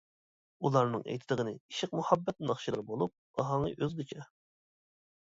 ئۇلارنىڭ ئېيتىدىغىنى ئىشق-مۇھەببەت ناخشىلىرى بولۇپ، ئاھاڭى ئۆزگىچە.